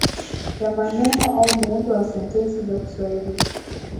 ya maneno au muundo wasentensi za Kiswahili